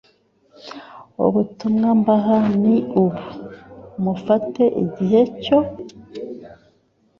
Ubutumwa mbaha ni ubu: mufate igihe cyo